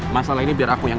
masalah ini kej curing